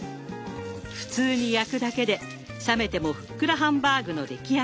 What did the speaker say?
普通に焼くだけで冷めてもふっくらハンバーグの出来上がり。